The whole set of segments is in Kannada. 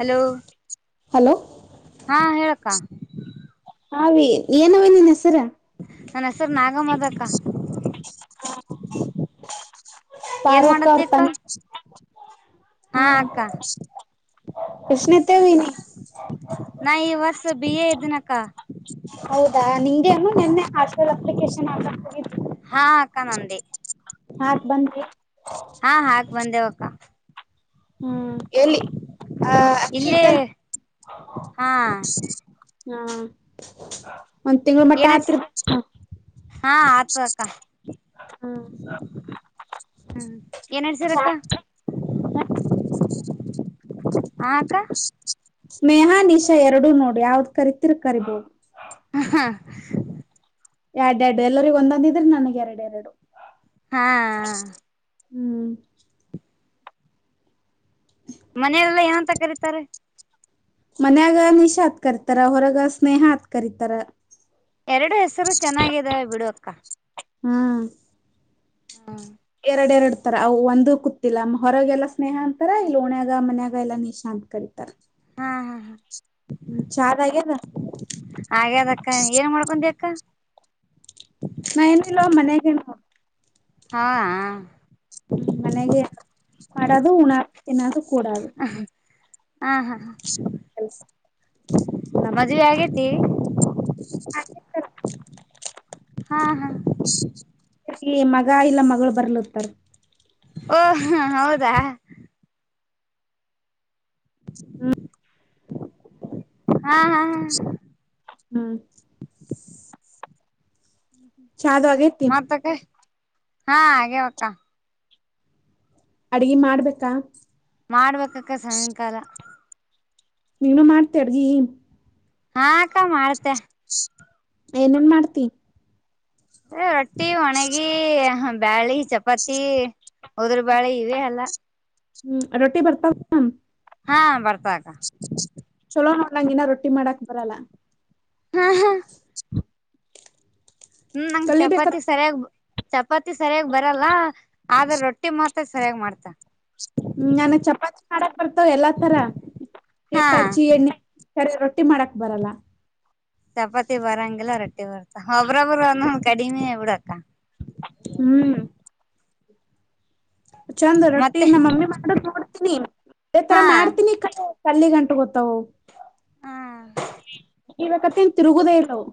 ಹಲೋ ಹಲೋ ಹಾಂ ಹೇಳಕ್ಕ ಹಾವಿ ಏನವಿ ನಿನ್ ಹೆಸರ ನನ್ ಹೆಸರು ನಾಗಮ್ಮದಕ್ಕ ಏನ್ ಪಾರ್ವಕ್ಕ ಮಾಡತಿ ಅವ್ರ ಅಕ್ಕ ಪಂಚ ಹಾ ಅಕ್ಕ ಕೃಷ್ಣತೆವಿನಿ ನಾ ಈ ವರ್ಷ ಬಿ ಎ ಇದೀನಕ್ಕ ಹೌದಾ ನಿಂಗೇನು ನಿನ್ನೆ ಹಾಸ್ಟೆಲ್ ಅಪ್ಲಿಕೇಶನ್ ಹಾಕಕ್ ಹೋಗಿದು ಹಾ ಅಕ್ಕ ನಂದೇ ಹಾ ಅಕ್ಕ ಹಾ ಹಾಕ್ ಬಂದೆವಕ್ಕ ಹೂ ಎಲ್ಲಿ [unintelligible] ಹ ಆಕಿ ಇಲ್ಲಿ ಇದ್ದಲ್ಲಿ [unintelligible] ಹಾ ಹಾ [unintelligible] ಒಂದ್ ತಿಂಗಳ ಮಟ ಏನಡ್ಸ ಆತರಿ [unintelligible] ಹೂ ಏನ್ಡ್ಸರಕ್ಕ [unintelligible] ಹ [unintelligible] ಹಾ ಅಕ್ಕ ಸ್ನೇಹ ನಿಶಾ ಎರಡು ನೋಡು ಯಾವ್ದ್ ಕರಿತಿರ್ ಕರಿಬೋದು ಹಾ ಎರಡ್ ಎರಡು ಎಲ್ಲರಿಗ ಒಂದೊಂದ ಇದ್ರೆ ನನಗೆ ಎರಡು ಎರಡು ಹಾ ಹೂ ಮನೆರೆಲ್ಲ ಏನಂತ ಕರೀತಾರಿ ಮನ್ಯಾಗ ನಿಶಾ ಹತ್ ಕರಿತಾರ ಹೊರಗ ಸ್ನೇಹ ಹತ್ ಕರಿತಾರ ಎರಡು ಹೆಸರು ಚೆನ್ನಾಗಿದಾವ ಬಿಡು ಹೂ ಹಾ ಎರಡೆ ಎರಡ್ತಾರ ಅ ಒಂದು ಕೂತಿಿಲ್ಲ ಹೊರಗೆ ಎಲ್ಲಾ ಸ್ನೇಹ ಅಂತಾರ ಇಲ್ಲಿ ಉಣ್ಯಾಗ ಮನ್ಯಾಗ ಎಲ್ಲಾ ನಿಶಾ ಅಂತ ಕರತಾರೆ ಚಾಲ ಹಾಗೆ ಅದ ಅಕ್ಕ ಏನ್ ಮಾಡ್ಕೊಂತಿ ಅಕ್ಕ ನಾ ಏನಿಲ್ಲ ಮನೆಗೆ ಹಾ ಹೂ ಮನೆಗೆ ಮಾಡದು ಉಣ ತಿನ್ನೋದು ಕೂಡೋದು ಹಾ ಹಾ ನಮ್ ಮದುವೆ ಆಗೇತಿ ಹಾ ಹಾ ಸ ಮಗ ಇಲ್ಲ ಮಗಳು ಬರ್ಲತಾರ ಓ ಹ ಹೌದಾ ಹೂ ಹಾ ಹಾ ಹೂ ಚಾದು ಆಗೇತಿ ಮತ್ತಕ್ಕೆ ಹಾ ಹಾಗೆವಕ್ಕ ಅಡ್ಗೆ ಮಾಡ್ಬೇಕಾ ಮಾಡ್ಬೇಕ್ಕ ಸಾಯಂಕಾಲ ನೀನು ಮಾಡ್ತೀರಿ ಹಾ ಅಕ್ಕ ಮಾಡ್ತೆ ಏನನ್ ಮಾಡ್ತಿ ಅ ರೊಟ್ಟಿ ಒಣಗಿ ಬ್ಯಾಳಿ ಚಪಾತಿ ಹುಡ್ರು ಬಾಳೆ ಇವೆ ಅಲ್ಲ ಹೂ ರೊಟ್ಟಿ ಬರ್ತಾವು ಹಾ ಬರ್ತವು ಅಕ್ಕ ಚಲೋ ಮಾಡ್ಲಂಗ ಇನ್ನ ರೊಟ್ಟಿ ಮಾಡಾಕ್ ಬರಲ್ಲ ಹೂ ಹಾ ಹ್ಮ್ ನಂಗ್ ಕಲಿಬೇಕ. ಚಪಾತಿ ಸರಿಯಾಗಿ ಚಪಾತಿ ಸರಿಯಾಗಿ ಬರಲ್ಲ ಆದ ರೊಟ್ಟಿ ಮಾತ್ರ ಸರಿಯಾಗಿ ಮಾಡ್ತ ಹ್ಮ್ ನಾನ ಚಪಾತಿ ಮಾಡಕ್ ಬರ್ತವ ಎಲ್ಲಾ ತರ ಹಾ ಕೆಟ್ಟ ಹಚಿ ಎಣ್ಣೆ ಕಡೆ ರೊ ಚಪಾತಿ ಬರಂಗಲ್ಲ ರೊಟ್ಟಿ ವರ್ ಒಬ್ಬ್ರೊಬ್ರು ಒಂದೊಂದಂದು ಕಡಿಮೆ ಇಬಡಕ್ಕ ಹ್ಮ್ ಚಂದ ರೊಟ್ಟಿ ಮತ್ತೆ ನಮ್ಮ ಮಮ್ಮಿ ಮಾಡಕ್ ನೋಡ್ತೀನಿ ಅ ತರ ಹಾ ಮಾಡ್ತೀನಿ ಕೈ ಕಲ್ಲಿ ಗಂಟ ಗೊತ್ತಾವ ಹ್ಮ ಇವ ಕತ್ತನ್ ತಿರುಗುದೇ ಇಲ್ಲವು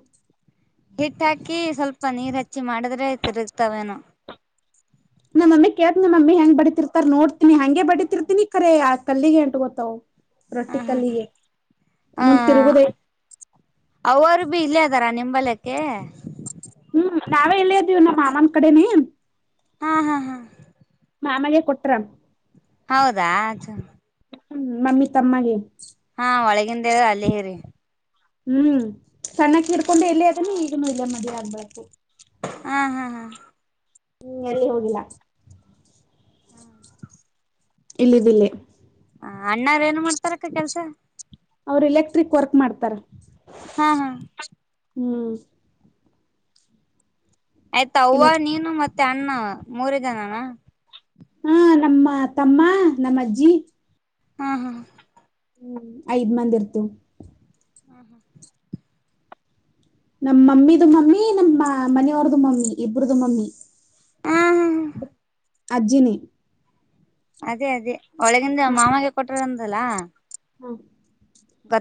ಹಿಟ್ಟ ಹಾಕಿ ಸ್ವಲ್ಪ ನೀರ್ ಹಚ್ಚಿ ಮಾಡಿದ್ರೆ ತಿರುಗ್ತಾವೇನು ನಮಮ್ಮಿ ಕೇತ ನಮ್ಮಿ ಹೆಂಗ ಬಡತಿರ್ತಾರ್ ನೋಡ್ತೀನಿ ಹಂಗೆ ಬಡರ್ತೀನಿ ಕರೆ ಆ ಕಲ್ಲಿಗೆ ಎಂಟು ಗೊತ್ತವು ಹ ರೊಟ್ಟಿಕಲ್ಲಿಗೆ ಹ ಮುಂದ ತಿರುಗುದೇ ಅವರು ಬಿ ಇಲ್ಲೇ ಅದಾರ ನಿಂಬಲ್ಯಕ್ಕೆ ಹ್ಮ್ ನಾವೇ ಎಲ್ಲ ಇದ್ದೀವು ನಮ್ಮ ಮಾವನ ಕಡೆನ ಹ್ಮ ಹಾ ಹಾ ಮಾಮಾಗ ಕೊಟ್ರ ಹೌದಾ ಚ ಹ್ಮ ಮಮ್ಮಿ ತಮ್ಮಗೆ ದ ಅಲ್ಲ ಹೇಳರಿ ಹ್ಮ್ ಸಣ್ಣಕ್ಕ ಹಿಡ್ಕೊಂಡು ಎಲ್ಲಿ ಅದನ್ನ ಈಗನ ಇಲ್ಲ ಮದ ಆಗ್ಬೇಕು ಹ್ಮ್ ಹ್ಮ್ ಹ ಹ್ಮ್ ಅಲ್ಲಿ ಹೋಗಿಲ್ಲ ಹ್ಮ್ ಇಲ್ಲಿದ್ದಿಲ್ಲ ಹ ಅಣ್ಣಾರ ಏನು ಮಾಡ್ತಾರಕ್ಕ ಕೆಲ್ಸ ಅವರು ಎಲೆಕ್ಟ್ರಿಕ್ ವರ್ಕ್ ಮಾಡ್ತಾರ ಹಾ ಹಾ ಹ್ಮ್ ಆಯ್ತ ಅವವ ಎಲೆಕ್ ನೀನು ಮತ್ತೆ ಅಣ್ಣ ಮೂರ ಜನಾನ ಹಾ ನಮ್ಮ ತಮ್ಮ ನಮ್ಮಜ್ಜಿ ಹ್ಮ್ ಹ್ಮ್ ಹ್ಮ್ ಐದ್ ಮಂದ ಇರ್ತು ಹ್ಮ ಹಾ ನಮ್ಮ ಮಮ್ಮಿದ ಮಮ್ಮಿ ನಮ್ಮ ಮನೆಯವ್ರದು ಮಮ್ಮಿ ಇಬ್ರದು ಮಮ್ಮಿ ಹಾ ಹಾ ಅಜ್ಜಿನಿ ಅದೇ ಅದೇ ಒಳಗಿಂದ ಹಾ ಮಾಮಾಗ ಕೊಟ್ರಾರಂದಲ್ಲ ಹಾ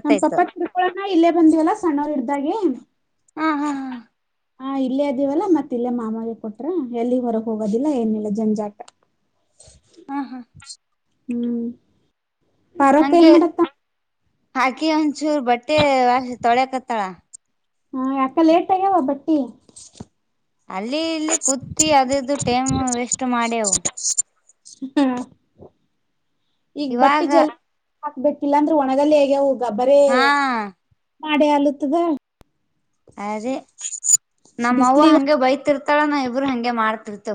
ನಮ ಪಪ್ಪ ತಿಳ್ಕೊಳೋಣ ಇಲ್ಲೇ ಬಂದಿವವಲ್ಲಾ ಸಣ್ಣವರು ಹಡ್ದಾಗೆ ಹಾ ಹಾ ಹಾ ಹಾ ಇಲ್ಲೇ ಅದಿವವಲ್ಲ ಮತ್ತ ಇಲ್ಲೇ ಮಾಮಾಗ ಕೊಟ್ರ ಎಲ್ಲಿ ಹೊರಗ್ ಹೋಗೋದಿಲ್ಲ ಏನಿಲ್ಲ ಜಂಜಾಟ [unintelligible] ಹ್ಮ ಹಾ ಹ್ಮ್ ಪರಪ ಏನ್ ಮಾಡತ್ತ ಆಕಿ ಒಂದ್ಚೂರ್ ಬಟ್ಟೆ ತೊಳ್ಯಕತ್ತಾಳ ಹಾ ಯಾಕ ಲೇಟ್ ಆಗ್ಯಾವ ಬಟ್ಟಿ ಅಲ್ಲಿ ಇಲ್ಲಿ ಕೂತಿ ಅದ್ರ್ದು ಟೈಮ್ ವೇಸ್ಟ್ ಮಾಡ್ಯವು ಹ್ಮ ಈಗ ಬಟ್ಟೆ ಇವಾಗ ಜಲ ಹಾಕ್ಬೇಕಿಲ್ಲ ಅಂದ್ರೆ ಒಣದದಲ್ಲಿ ಹೇಗೆ ಹೋಗ ಗಬರ ಹಾ ಮಾಡೇ ಆಲತದ ಅದೇ ನಮ್ಮವ ಬಿಸ್ಲಿಗ ಹಂಗಗೆ ಬೈತಿರ್ತಾಳ ನಾ ಇಬರು ಹಂಗೆ ಮಾಡ್ತ ಕತ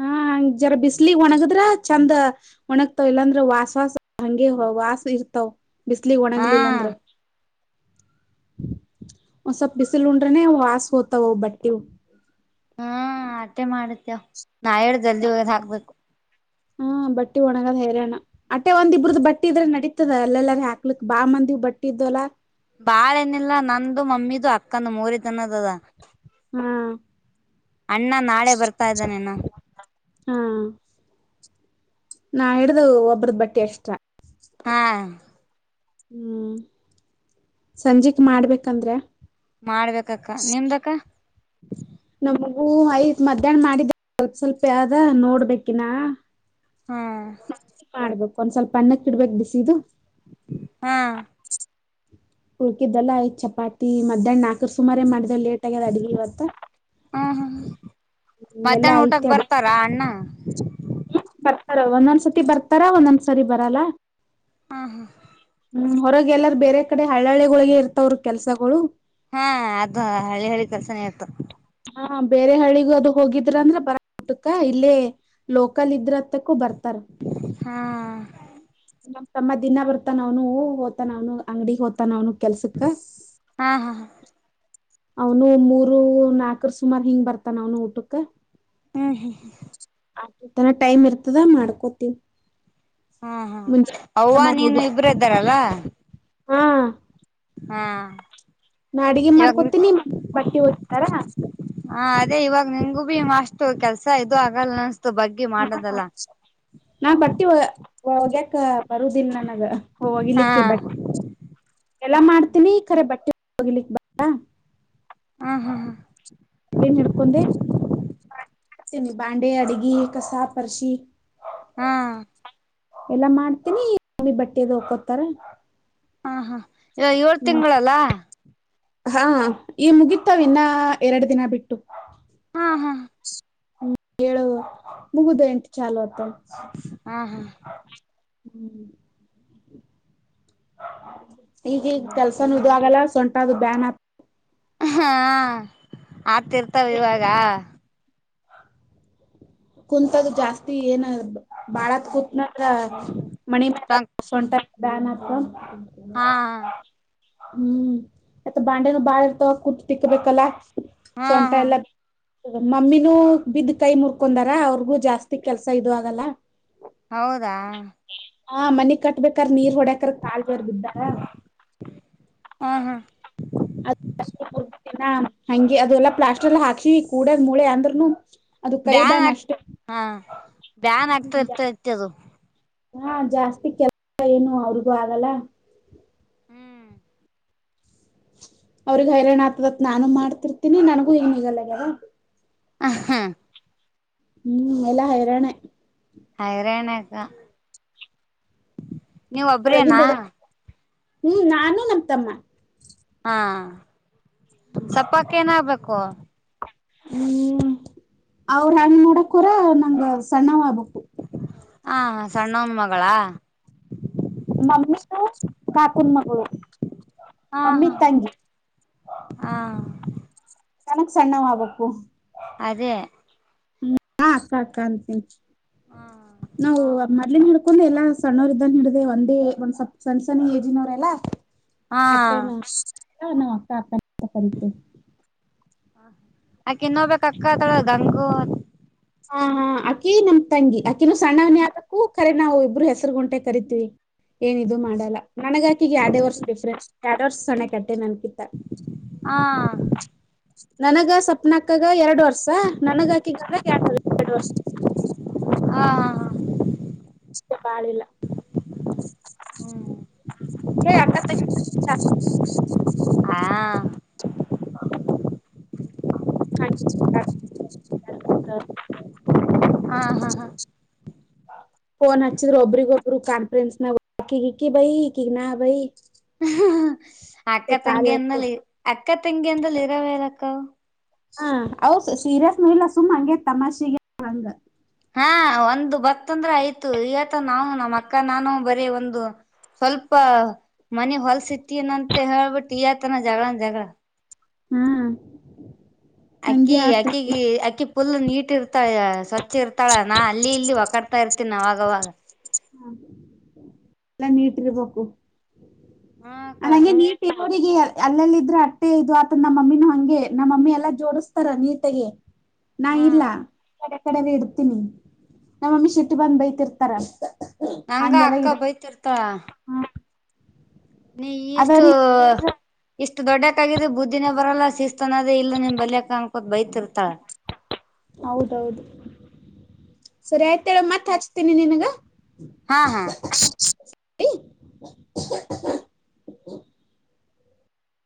ಹಾ ಹಂಗ ಜರ ಬಿಸ್ಲಗ್ ಒಣಗದ್ರ ಚಂದ ಒಣಗಗ್ತಾವ ಇಲ್ಲಾಂದ್ರೆ ವಾಸ ವಾಸ ಹಂಗೆ ವಾಸ ಇರ್ತಾವ್ ಬಿಸ್ಲಗ್ ಹಾ ಒಣಗ್ಲಿಲ್ಲ ಅಂದ್ರ ಒಂದ್ ಸ್ವಲ್ಪ ಬಿಸಲ್ ಉಂಡ್ರನೆ ವಾಸ ಹತವ್ ಅವು ಬಟ್ಟೆವು ಹ್ಮ ಆಟೆ ಮಾ [unintelligible] ನಾ ಹೇಳು ಜಲ್ದಿ ಹೋಗದ್ ಹಾಕ್ಬೇಕು ಹಾ ಬಟ್ಟಿ ಒಣಗದ್ ಹೈರ್ಯಣ್ಣ ಅಟ್ಟೆ ಒಂದ್ಿಬ್ರದ ಬಟ್ಟಿ ಇದ್ರೆ ನಡೀತ ಇತದ ಅಲ್ಲೆಲ್ಲಾರ ಹಾಕ್ಲಿಕ್ ಬಾ ಮಂದಿ ಬಟ್ಟ ಇದವಲ್ಲ ಬಾಳ ಏನಿಲ್ಲ ನಂದು ಮಮ್ಮಿದು ಅಕ್ಕನು ಮೂರೆ ಜನದು ಹ್ಮ್ ಅಣ್ಣ ನಾಳೆ ಬರ್ತಾ ಇದ್ದಾನೆನು ನಾಡ್ದ ಒಬ್ಬ್ರದ ಬಟ್ಟಿ ಅಷ್ಟ ಹಾ ಹ್ಮ್ ಸಂಜೆಕ್ ಮಾಡ್ಬೇಕಂದ್ರೆ ಮಾಡ್ಬೇಕಕ್ಕ ನಿಮ್ದಕ್ಕ ನಮಗೂ ಯ್ತ್ ಮಧ್ಯಾಹ್ನ ಮಾಡಿದ ಸ್ವಲ್ಪ ಸ್ವಲ್ಪ ಯಾವ್ದ ನೋಡ್ಬೇಕಿನ ಹ್ಮ್ ಒಂದ್ ಸ್ವಲ್ಪ ಅ್ಣಕ್ಕಿಡ್ಬೇಕ ಬಿಸಿದು ಹಾ ಉಳ್ಕಿದ್ದಲ್ಲಾ ಐ್ ಚಪಾತಿ ಮಧ್ಯಾಹ್ನ ನಾಲ್ಕರ್ ಸುಮಾರ ಮಾಡಿದವ ಲೇಟ್ ಆಗ್ಯದ ಅಡ್ಗವತ್ತ ಹಾ ಹಾ ಮಧ್ಯಾಹ್ನ ಐತಿ ಊಟಕ್ ಅಡ್ಗಿ ಬರ್ತಾರಾ ಅಣ್ಣ ಬರ್ತಾರ ಒಂದೊಂದ್ಸತಿ ಬರ್ತಾರಾ ಒಂದೊಂದ್ಸರಿ ಬರಲ್ಲ ಹಾ ಹಾ ಹ್ಮ್ ಹೊರಗೆ ಎಲ್ಲಾರ ಬೇರೆ ಕಡೆ ಹಳ್ಳಳ್ಳಿಗಳೊಳಗೆ ಇರ್ತವ್ರ ಕೆಲ್ಸಗಳು ಹಾ ಅದು ಹಳಿ ಹಳಿ ಕೆಲ್ಸಾನೆ ಆಯ್ತು ಹಾ ಬೇರೆ ಹಳ್ಳಿಗೂ ಅದು ಹೋಗಿದ್ರ ಅಂದ್ರ ಬರ ಟಕ ಇಲ್ಲೇ ಲೋಕಲ್ ಇದ್ರತ್ತಕ್ಕೂ ಬರ್ತ ತ್ತ [unintelligible] ಹಾ ನಮ್ಮ್ ತಮ್ಮ ದಿನ ಬರ್ತಾನ ಅವನು ಹೂ ಹೋತಾನ ಅವ್ನು ಅಂಗಡಿಗೆ ಹೋತನ ಅವನು ಕೆಲ್ಸಕ್ಕ ಹಾ ಹಾ ಅವನು ಮೂರು ನಾಲ್ಕರ್ ಸುಮಾರು ಹಿಂಗ್ ಬರ್ತಾನ ಅವನು ಊಟಕ್ಕ ಹ್ಮ ಹ್ಮ ಆ ತನ ಟೈಮ್ ಇರ್ತದ ಮಾಡ್ಕೋತಿನ್ ಹಾ ಹಾ ಅವ್ವ ನೀನು ಇಬ್ರ ಇದ್ದಾರಲ್ಲ ಹಾ ಹಾ ನಾ ಅಡ್ಗೆ ಇವಾಗ ಮಾಡ್ಕೊತೀನಿ ಬಟ್ಟೆ ಓಗಿತ್ತಾರ ಹಾ ಅದೇ ಇವಾಗ ನಿಂಗಂಗೂ ಭೀ ಮಾಸ್ ಷ್ಟ ಕೆಲ್ಸ ಇದು ಆಗಲ್ಲ ಅನ್ಸ್ತು ಬಗ್ಿ ಮಾಡದಲ್ಲ ಹೋಗ್ಯಕ ಬರುದಿಲ್ಲ ನಾನ ಹಾ ಹೋಗಲಿಕ್ಕೆ ಬಟ್ಟೆ ಎಲ್ಲ ಮಾಡ್ತೀನಿ ಈ ಕರೆ ಬಟ್ಟೆ ಹೋಗ್ಲಿಕ್ಕೆ ಬರಲ್ಲ ಹ ಹಾ ಏನ್ ಹಿಡ್ಕೊಂಡೆ ತ ನಿ ಬಾಂಡೆ ಅಡಗಿ ಕಸಾ ಪರ್ಶಿ ಹ್ಮ್ ಎಲ್ಲಾ ಮಾಡ್ತೀನಿ [unintelligible] ನಿ ಬಟ್ಟೆದು ಹಕೋತಾರ ಹಾ ಹಾ ಈವಗ ಏಳ್ ತಿಂಗಳಲ್ಲ ಹಾ ಈ ಮುಗಿತಾವ ಇನ್ನ ಎರಡು ದಿನ ಬಿಟ್ಟು ಹಾ ಹಾ ಹೇಳು ಮುಗುದು ಎಂತ ಚಾಲ್ ಆತ ಹಾ ಹಾ ಹ್ಮ್ [unintelligible] ಈಗ ಈಗ ಕೆಲ್ಸನು [unintelligible] ಆಗಲ್ಲ ಸೊಂಟ ಅದು ಬ್ಯಾನ್ ಆ ಹೂ ಆತಿರ್ತಾವ ಇವಾಗ. ಕುಂತಾಗ ಜಾಸ್ತಿ ಏನ. ಬಾಳತ್ ಕುೂತ್ನದ್ರ ಮಣಿ ಮ್ಯಾಗ ಟಂಕ್ ಸೊಂಟ ಬ್ಯಾನ್ತ್. ಹಾ. ಹ್ಮ್ ಮತ್ತ ಬಾಂಡೆನ ಬಾಳ ಇರ್ತಾವ ಕುೂಟ್ಟ ತಿಕ್ಕಬೇಕಲ್ಲ. ಹ್ಮ್ ಹಾ. ಮಮ್ಮಿನೂ ಬಿದ್ ಕೈ ಮುರ್ಕೊಂಡಾರ ಅವ್ರಿಗೂ ಜಾಸ್ತಿ ಕೆಲ್ಸ ಇದ ಆಗಲ್ಲ. ಹೌದಾ. ಹಾ ಮನಿಗ್ ಕಟ್ಟಬೇಕಾದರೆ ನೀರ್ ಹೊಡಕ್ರ ಕಾಳ ಜರ್ ಬಿದ್ದಾರ. ಹಾ ಹಾ. ಹಂಗೆ ಅದು ಎಲ್ಲಾ ಪ್ಲಾಸ್ಟರ್ ಎಲ್ಲ ಹಾಕಸಿ ಕೂಡಾಗ ಮೂಳೆ ಅಂದ್ರನು. ಬ್ಯಾನ್ ಹಾ ಬ್ಯಾನ್ ಆಕ್ತಾ ಹ್ಮ್ ಜಾ ಇರ್ತಾ ಇತಿ ಅದು. ಹಾ ಜಾಸ್ತಿ ಕೆಲಸ ಏನು ಅವ್ರಿಗೂ ಆಗಲ್ಲ. ಹ್ಮ್ ಅವ್ರಗ್ ಹೈರಾಣ ಆತದತ್ ನಾನು ಮಾಡ್ತಿರ್ತೀನಿ ನನ್ಗೂ ಏನ್ಗಲ್ಲಗ್ಯಾರ. ಹ ಹ್ಮ. ಹ್ಮ್ ಎಲ್ಲಾ ಹೈರಾಣ. ಐರಾಣ ನೀವ ಒಳಗಿಂದ ಒಬ್ರೇನಾ. ಅದ ಹ್ಮ್ ನಾನು ನಮ ತಮ್ಮ. ಹಾ ಸಪ್ಪಾಕ ಏನಾಗಬೇಕು. ಹ್ಮ್ ಅವ್ರ ಹಂಗ್ ನೋಡಕ್ ಹೊರ ನಂಗ ಸಣ್ಣವ ಆಗ್ಬೇಕಬೇಕು. ಹಾ ಸಣ್ಣವನ್ ಮಗಳ. ಮಮ್ಮಮ್ಮಿ ತಾತನ್ ಮಗಳು. ಹಾ ಮಮ್ಮಿ ಹಾ ತಂಗಿ ಹಾ. ನನಕ್ ಸಣ್ಣವ ಆಗಬೇಕು. ಅದೇ ಹ ಅಕ್ಕ ಅಕ್ಕ ಅಂತೀನ ಹಾ ನಾವು ಮ ಅಕೊಂಡು ಎಲ್ಲಾ ಸಣ್ಣವರ್ ಇದ್ದಾನ ಹಿಡ್ದದೆ ಒಂದೇ ಒಂದ್ ಸ್ವಪ್ ಸಣ್ಣ ಸಣ್ಣ ಏಜಿನವರೆ ಎಲ್ಲಾ. ಹಾ ಅತ್ತ [unintelligible] ಅರಿತ. ಅಕ ಇನ್ಬೇಕಕ್ಕ ಅದಾಳ ಗಂಗು. ಹಾ ಹಾ ಅಕ್ಕಿ ನಮ್ ತಂಗಿ ಅಕ್ಕಿನೂ ಸಣ್ಣವನೇ ಆದಕ್ಕು ಕರೆ ನಾವು ಇಬ್ಬರು ಹೆಸರು ಗಂಟೆ ಕರಿತೀವಿ. ಏನ್ ಇದು ಮಾಡಲ್ಲ ನನ್ಗಾಕಿಗೆ ಯಾಡೇ ವರ್ಷ ಡಿಫ್ರೆನ್ಸ್ ಯಡ ವರ್ಷ ಸಣ್ಣ ಕಟ್ಟೆ ನನ್. ಹಾ. ನನಗ ಸಪ್ನಕ್ಕಗ ಎರಡು ವರ್ಷ. ಸ ನನಗ ಹಾಕುವ. [inaudible] ಹಾ ಕಾಲೀಲ್ಲ. ಹ್ಮ್. ಹಾ [unintelligible] [unintelligible] ಹಾ ಹಾ ಹಾ [inaudible] ಫೋನ್ ಹಚ್ಚಿದ್ರರು ಒಬ್ರಗ ಒಬ್ರು ಕಾನ್ಫರೆನ್ಸ್ ನಾಗಕಗ ಇಕ್ಕಿ ಬೈ ಇಕಿಗನಾ ಬೈ. ಅಕ್ಕ ಕಾಲ್ ತಂಗಿಯ ಅಂದಲ್ಲಿ ಎಳ್ಕೋತ ಅಕ್ಕ ತಂಗಿಯ ಅಂದಲ್ಲಿ ಇರಾವಲ್ಲಕ್ಕವು. ಹಾ ಅವ ಸೀರಿಯಸ್ ನ ಇಲ್ಲ ಸುಮ್ಮ್ ಹಂಗೆ ತಮಾಷೆಗೆ ಹಂಗ. ಹಾ ಒಂದು ಬತ್ತಂದ್ರೆ ಆಯ್ತು ಇವತ್ತು ನಾವು ನಮ್ಮ ಅಕ್ಕ ನಾನು ಬರೀ ಒಂದು. ಸ್ವಲ್ಪ ಮನಿ ಹೊಲ್ಸಿತ್ತೀನ ಅಂತ ಹೇಳ್ಬಿಟ್ಟು ಈಯತನ ಜಗಳನ ಜಗಳ. ಹ್ಮ್. ಅಕ್ಕಿ ಅಕ್ಕಿಗೆ ಅಕ್ಕಿ ಪುಲ್ ನೀಟ್ ಇರ್ತಾಯ. ಸ್ವಚ್ಛ ಇರ್ತಾಳ ನಾ ಅಲ್ಲಿ ಇಲ್ಲಿ [unintelligible] ಇರ್ತೀನ ಅವಾಗವಾಗ. ಹ ಎಲ್ಲ ನೀಟ್ರ್ಬೇಕು. ಹಾ ಅಕ್ಕ [unintelligible] ನೀಟ್ ಹರಿಗೆ ಅಲ್ಲೆಲ್ಲ ಇದ್ರೆ ಅಟ್ಟೆ ಇದು ಆತ ನಮ್ಮ ಮಮ್ಮಿನ ಹಂಗೆ ನಮ್ಮ ಮಮ್ಮಿ ಎಲ್ಲಾ ಜೋಡಿಸಸ್ತಾರ ನೀತೆಗೆ ನಾ ಹಾ ಇಲ್ಲ ಕಡೆ ಇಡ್ತೀನಿ ನಮ್ಮಮ್ಮಿ ಶೆಟ್ಟಿ ಬಂದ್ ಬೈತಿರ್ತಾರ ಅಂತ ನಂಗ ಅಕ್ಕ ಬಯತಿರ್ತಾಳ ಹ್ಮ್ ನೀ ಅದ ಇಷ್ಟು ರೀ ಇಷ್ಟು ದೊಡ್ಡಕ್ಕಗಿದ ಬುದ್ಧಿನೇ ಬರಲ್ಲ ಶಿಸ್ತ ತಾನದೇ ಇಲ್ಲ ನಿಮ್ ಬಲಯಕ ಅನ್ಕೋತ್ ಬೈತಿ ಇರ್ತಳ ಹೌದೌದು ಸರಿ ಆಯ್ತೇಳ ಮತ್ತೆ ಹಚ್ತೀನಿ ನಿನ್ಗ ಹಾ ಹಾ ಹ [unintelligible]